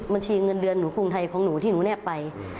บัญชีเงินเดือนหนูกรุงไทยของหนูที่หนูแนบไป